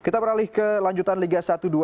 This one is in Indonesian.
kita beralih ke lanjutan liga satu dua ribu tujuh belas